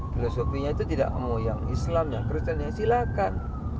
filosofinya itu tidak mau yang islam yang kristennya silakan